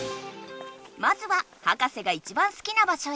まずはハカセが一番すきな場所へ。